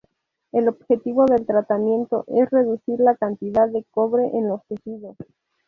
El objetivo del tratamiento es reducir la cantidad de cobre en los tejidos.